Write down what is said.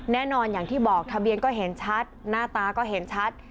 แน่นอนอย่างที่บอกทะเบียนก็เห็นชัดหน้าตาก็เห็นชัด